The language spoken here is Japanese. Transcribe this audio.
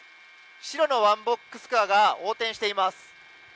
白のワンボックスカーが横転しています。